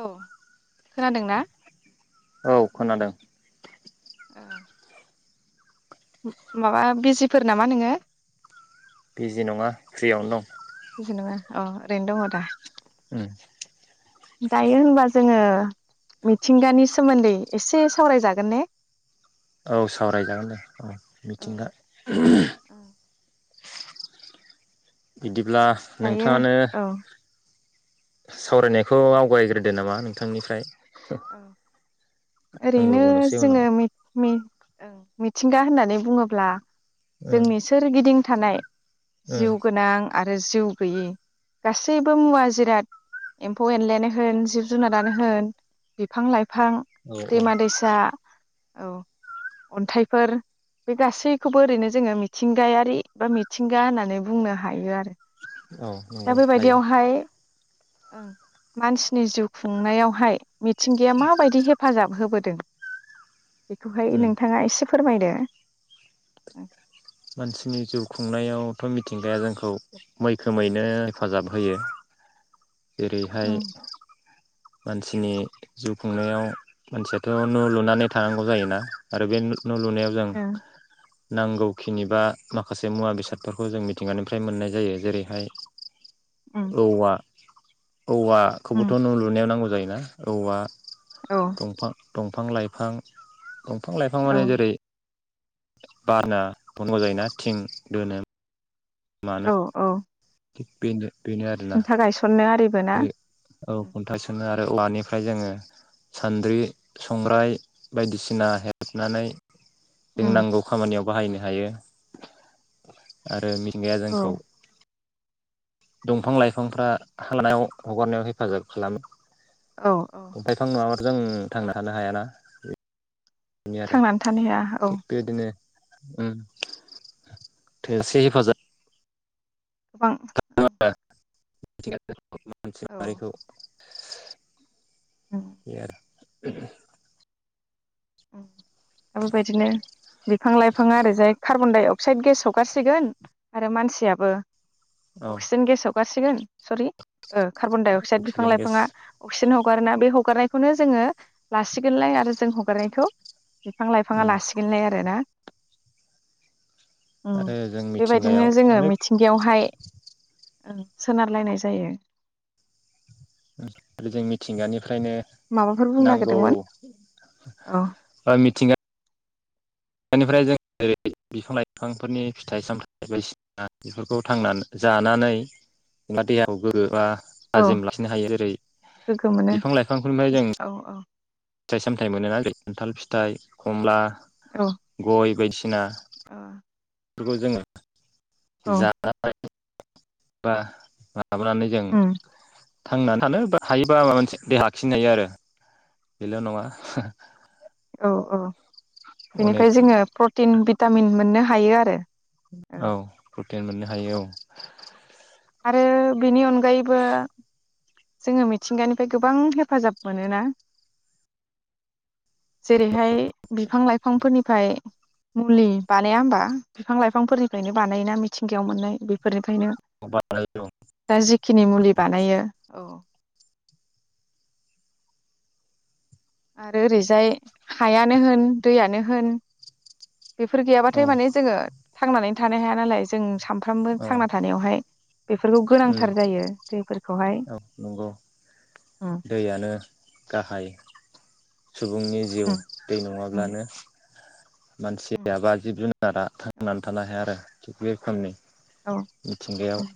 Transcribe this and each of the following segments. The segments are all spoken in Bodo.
औ खोनादों ना? औ खोनादों। ओ उम माबा बिजिफोर नामा नोङो? बिजि नङा फ्रियावनो दं। जि नङा अ' ओरैनो दङ दा? ओ दायो होनबा जोङो मिथिंगानि सोमोन्दै एसे सावरायजागोन ने? औ सावरायजागोन दे औ औ मिथिंगा औ बिदिब ब्ला दायो नोंथाङानो औ सावरायनायखौ आवगायग्रोदो नामा नोंथांनिफ्राय। औ आंबो ओरैनो बुंनोसै उनाव जोङो मि-मि ओं मिथिंगा होननानै बुङोब्ला उम जोंनि सोरगिदिं थानाय उम जिउ गोनां आ रो जिउ गैयि गासैबो मुवा जिराद एम्फौ एनलायानो होन जिब जुनादानो होन बिफां लाइफ फां औ औ दैमा दैसा औ अन्थाइफोर बे गासैखौबो ओरैनो जोङो मिथिंगायारि बा मिथिंगा होननानै बुंनो हायो आरो। औ नंगौ दा हायो बेबायदियावहाय ओं मानसिनि जिउ खुंनायावहाय मिथिंगाया माबायदि हेफाजाब होबोदों? बेखौहाय उम नोंथाङा एसे फोरमायदो। मानसिनि जिउ खुंनायावथ' मिथिंगाया जोंखौ मैखोमैनो हेफाजाब होयो। जेरैहाय उम मानसिनि जिउ खुंनायाव मानसियाथ' न' लुनानै थानांगौ जायोना आरो बे न' लुनायाव जों उम नांगौ खिनि बा माखासे मुवा बेसादफोरखौ जों मिथिंगानिफ्राय मोननाय जायो जेरैहाय उम औवा औवा खौबोथ' उम न' लुनायाव नांगौ जायोना औवा। औ दंफां दंफां लाइफां दंफां लाइफां औ माने जेरै [unintelligible] जायोना थिं दोनो मानो औ औ बेनो बेनो आरोना खुन्था गायसननो आरि औ खुन्था गायसन नो आरो औवानिफ्राय जोङो सान्द्रि संग्राय बायदिसिना हेबनानै जों उम नांगौ खामानियाव बाहायनो हायो आरो मि मिथिंगाया औ जोंखौ दंफां लाइफांफ्रा हां लानायाव हगारनायाव हेफाजाब खालामो औ औ। दंफां नङाबाथ' जों थांना थानो हायाना बेनो थांनानै थानो हाया औ। ओम थोसे हिफाजाब गोबां। [inaudible] जों मानसिक औ माहारिखौ उम बि आरो। [inaudible] ओम आरो बायदिनो बिफां लाइफाङा ओरैजाय कार्बन डाइ अक्साइद गेस हगारसिगोन आरो मानसियाबो औ अक्सिजेन गेसाव हगारसिगोन सरि ओ कार्न डाय अक्साइड बिफां अक्सिजेन गेस लाइफाङा अक्सि अक्षिजेन हगारोना बे हगारनायखौनो जोङो लासिगोनलाय आरो जों हग हगारनायखौ बिफां लाइफाङा उम लासिगोनलाय आरो ना ओम आरो जों बेबायदिनो मिथिंगायाव जोङो अनेक मिथिंगायावहाय ओं सोनारलायनाय जायो। ओं आरो जों मिथिंगानि फ्रायनो माबाफोर बुंनो नांगौ नागिरदोंमोन औ बा मिथिंगा बेनिफ्राय जों ओेरै बिफां लाइफांफोरनि फिथाइ सामथाइ बायदिसिना बेफोरखौ थांनानै जानानै एबा देहाखौ गोगोबा औ थाजिम लाखिनो हायो जेरै गोग्गो मोनो बिफां लाइफांफोरनिफ्राय जों। औ फिथाइ सामथायाइ मोनोना जेरै खान्थाल फिथाइ कमला गय' बायदि सिना ओ। फोरखौ जोङो जा [inaudible] बा। लाबोनानै जों। उम थांनानै थानो हायोबा माबा मोनसे देहा आखिनो हायो आरो बेल' नङा औ औ। अनेक बेनिफ्राय जोंङो प्रटिन भिटामिन मोननो हायो आरो ओ औ टेन मोननो हायो औ आरो बिनि अन गायैबो जोंङो मिथिंगानिफ्राय गोबां हेफाजाब मोनोना जेरैहाय बिफां लाइ फांफोरनिफ्राय मुलि बानाया होमबा बिफां लाइफांफोरनिफ्रायनो बानायोना मिथिंगायाव मोननाय बेफोर ओंखायनो दा जिखिनि मुलि बानायो। औ आरो ओरैजाय हायानो होन दैयानो होन बेफोर औ गैयाब्लाथाय माने जोंङो थांनानै थानो हाया नालाय जों साम फ्रामबो औ थांना थानायावहाय बेफोरखौ उम गोनांथार जायो दैफोरखौहाय औ नंगौ उम दैयानो गाहाय सुबुंनि जिउ उम दै उम नङाब्लानो उम मानसिया बा जिब जुनारा औ थांनानै थानो हाया आरो। थिग बे रोखोमनि औ मिथिंगायाव उम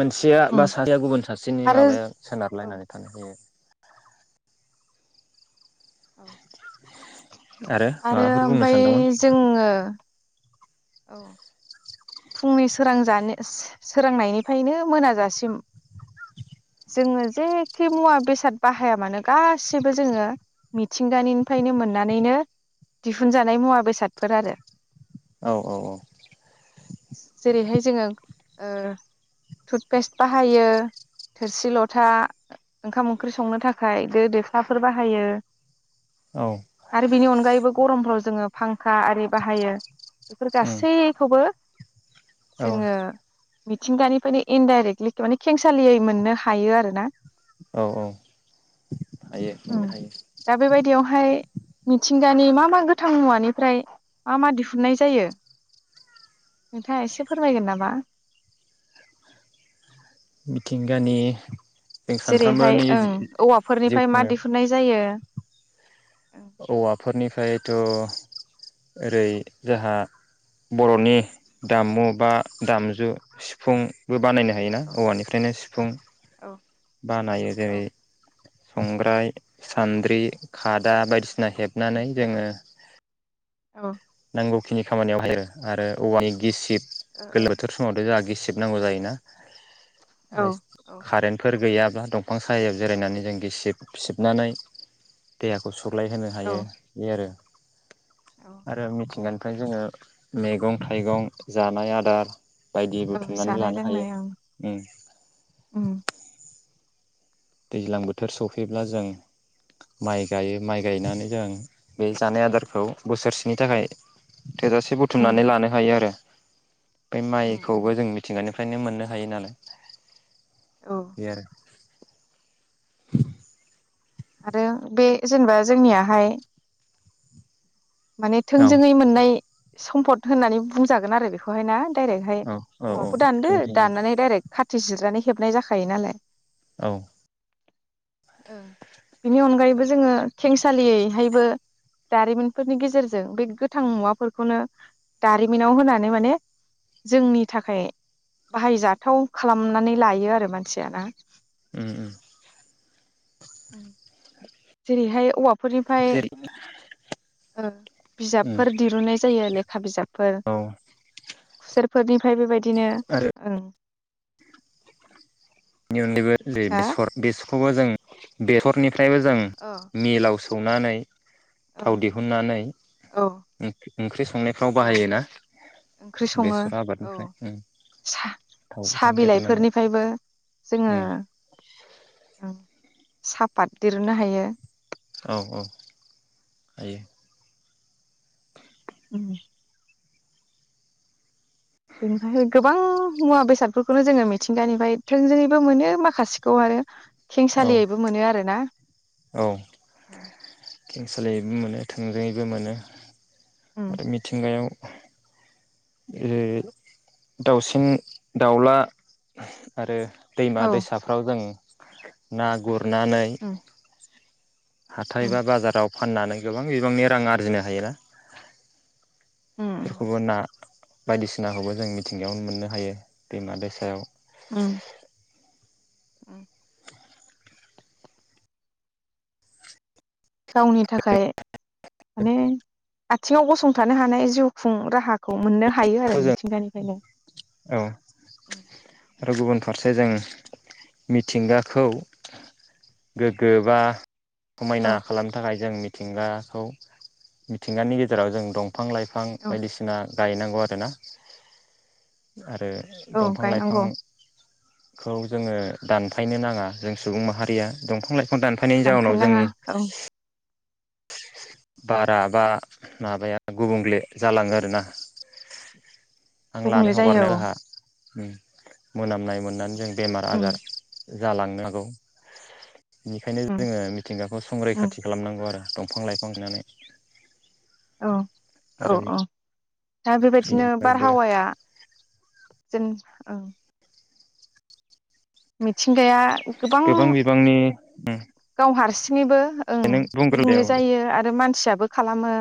मोनसेया बा उम सासेया गुबुन सासेनि आरो माबाया औ सोनारलायनानै थानाय जायो। औ आरो माबाफोर बुंनो ओमफाय सानदोंमोन जोंङो औ फुंनि सोरांजानो सो-सोरांनायनिफ्रायनो मोनाजासिम जोंङो जेखे मुवा बेसाद बाहाया मानो गासैबो जोंङो मिथिंगानिनिफ्रायनो मोननानैनो दिहुनजानाय मुवा बेसादफोर आरो। औ औ औ जेरैहाय जोंङो ओ टुथपेस्ट बाहायो थोरसि लथा ओंखाम ओंख्रि संनो थाखाय दो दोख्लाफोर बाहायो। औ बिनि अनगायैबो गरमफ्राव जोंङो फांखा आरि बाहायो बेफोर उम गासैखौबो औ जोंङो मिथिंगानिफ्रायनो इनडाइरेक्टलि माने खेंसालियै मोननो हायो आरोना। औ औ हायो उम मोननो हायो दा बेबायदियावहाय मिथिंगानि मा मा गोथां मुवानिफ्राय मा मा दिहुननाय जायो? नोंथाङा एसे फोरमायगोन नामा मिथिंगानि जों जेरैहाय सानफ्रोमबोनि ओं जिउ औवाफोरनिफ्राय मा खुंनायाव दिहुननाय जायो? औवाफोरनिफ्रायथ' ओरै जोंहा बर'नि दामुं बा दामजु सिफुंबो बानाय थायोना औ औवानिफ्रायनो सिफुं औ बानायो औ जेरै संग्राय सान्द्रि खादा बायदिसि सिना हेबनानै जोङो औ नांगौखिनि खामानियाव हायो आरो औवानि गिसिब गोलोम बोथोर समावथ' जोंहा गिसिब सिबनांगौ जायोना? औ ओमफ्राय कारेन्टफोर गैया बा दंफां साहायाव जिरायनानै जों गिसिब सिबनानै देहाखौ सुग्लाय होनो औ हायो बे आरो आरो औ मिथिंगानिफ्राय जोङो मैगं थाइगं जानाय आदार बायदि औ बुथुमनानै जानाय लानो हायो लोंनाय ओं उम उम दैज्लां बोथोर सफैब्ला जों माइ गायो माइ गायनानै जों बे जानाय आदारखौ बोसोरसेनि थाखाय थोजासे उम बुथुमनानै लानो हायो आरो बे उम उम माइखौबो जों मिथिंगा फ्रायनो मोननो हायो नालाय औ बे आरो [inaudible] आरो बे जेनेबा जोंनियाहाय माने औ थोंजोङै मोननाय सम्फद होननानै बुंजागोन आरो बेखौहाय ना? दडाइरेक्टहाय औ औ औ औवाखौ दानदो थोंजों दाननानै दडाइरेक्ट खाथि जिरनानै हेबनाय जाखायो नालाय औ ओ बिनि अनगायैबो जोङो थेंसालियैहायबो दारिमिन फोरनि गेजेरजों बे गोथां मुवाफोरखौनो दारिमिनाव होनानै माने जोंनि थाखाय बाहायजाथाव खालामनानै लायो आरो मानसिया ना? उ उ उ जेरैहाय औवा फोरनिफ्राय जेरै उम बिजाबफोर दिरुनाय जायो लेखा बिजाब औ खुसेरफोरनिफ्राय बेबायदि बिदिनो ओ [unintelligible] दे हा बेसर बेस खौबो जों बेहरनि फ्रायबो जों अ मिलाव सौनानै थाव औ दिहुननानै औ ओंख्रि संनाय फ्राव औ बाहायोना ओंख्रि सङो बेसर औ आबादनिफ्राय ओम सा थाव साहा गोथां देरुनानै। बिलाइफोरनिफ्रायबो जोङो ओ साफात दिरुननो हायो औ औ हायो। उम बेनिफ्राय गोबां मुवा बेसादफोरखौनो जोङो मिथिंगानिफ्राय थोंजोङैबो मोनो माखासेखौ आरो औ खेंसालियैबो मोनो आरो ना औ खेंसालियैबो मोनो थोंजोङैबो मोनो। उम आरो मिथिंगायाव ए दाउसिन दाउला आरो दैमा औ दैसाफ्राव जों ना ग नानै उम हाथाय उम बा बाजाराव फाननानै गोबां बिबांनि रां आरजिनो हायोना उम सोरखौबो ना बायदिसिनाखौबो जों मिथिंगायावनो मोननो हायो दैमा दैसायाव ओम ओम गावनि थाखाय माने आथिङाव गसंथानो हानाय जिउ खुं राहाखौ मोननो हायो आरो जों मिथिंगानिफ्रायनो औ उम आरो गुबुनफा फिसायजों मिथिंगाखौ गोग्गो बा औ समायना खालामनो थाखाय जों मि मिथिंगाखौ मिथिंगानि गेजेराव जों दं फां लाइफां औ बायदिसिना गायनांगौ आरोना आरो औ दंफां लाइफ आं गायनांगौ खौ जोङो दानफायनो नाङा जों सुबुं माहारिया दंफां लाइफा खौ दानफायनायनि जाउनाव दानफायनो नाङा जोंनि औ बारा बा माबाया गुबुंगले जालाङो आरोना। आं लानाय गुबुंले जायो हगारनायाव औ जोहा उ मोनामनाय मोननानै जायो। बेमार उम आजार जालांनो हागौ। बिनिखायनो उम जोङो मिथिंगाखौ उम संरैखाथि खालामनांगौ आरो। दंफां लाइफ फां गायनानै। औ औ आरो औ। दा बेबायदिनो बेनिफ्रायबो बारहावाया जेन औ। मिथि थिंगाया गोबां गाव हारसि निबो ओं नों बुंग्रोदे गुबुंले औ जायो आरो मानसियाब बो खालामो।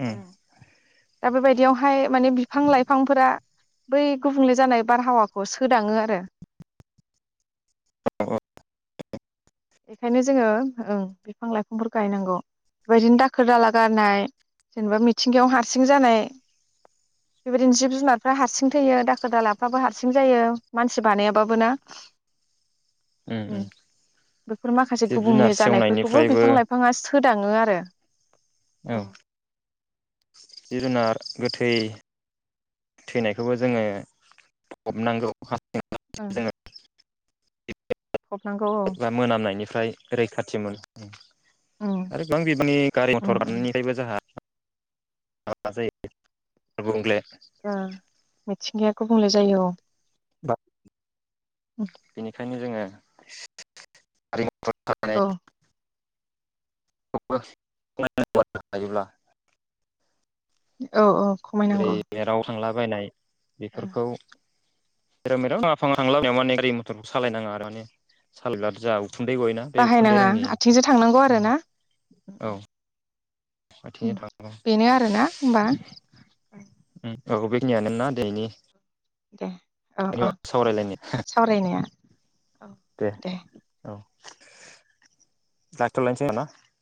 उम ओं दा बेबायदियावहाय माने बिफां लाइफांफोरा बै गुबुंले जानाय बारहावाखौ सोदाङो आरो। [unintelligible] बेखायनो जोङो ओ बिफां लाइफांफोर गायनांगौ बेबायदिनो दाखोर दाला गारनाय जेनेबा मिथिंगायाव हारसिं जानाय बेबायदिनो जिब जुनारफ्रा हारसिं थैयो दाखोर दालाफ्राबो हारसिं जायो मानसि बानायाबाबो ना? उम उमउम। बेफोर माखासे गुबुंले जानायफोरखौबो बिफां लाइफाङा सोदाङ ङो आरो। औ। जिब जुनार गोथै थैनायखौबो जोङो फबनांगौ। ओं। [unintelligible] फबनांगौ औ। फ्राय रैखाथिमोनो उम। उम आरोबां बिबनि गारि उम मथर उम हारनायनिफ्रायबो जोंहा [unintelligible] ओ मिथिंगाया गुबुंले जायो औ। बा [unintelligible] ओंखायनो जोङो औ [unintelligible] [unintelligible] [unintelligible] हायोब्ला औ औ खमायनांगौ। बायनाय ओ बिफोरखौ जेराव मेराव नागा फाङा थांलाबायनायाव माने गारि मथरखौ सालायनाङा आरो माने सालाय जा बाहायनाङा आथिंजों थांनांगौ आरो ना? औ आथिंजों थाङो बेनो आरोना होमबा? औ बेखिनियानो ना दिनैनि दे औ औ दे सावरायलायनाय सावरायनाया औ दे डाक्टर लानोसैना?